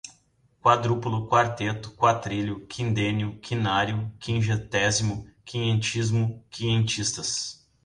quádruplo, quarteto, quartilho, quindênio, quinário, quingentésimo, quinhentismo, quinhentistas